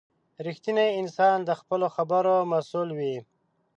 • رښتینی انسان د خپلو خبرو مسؤل وي.